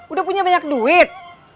udah punya banyak duit